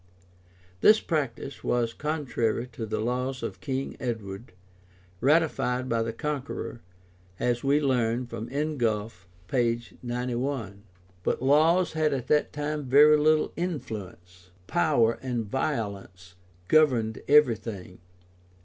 This practice was contrary to the laws of King Edward, ratified by the Conqueror, as we learn from Ingulf, p. 91. But laws had at that time very little influence: power and violence governed every thing.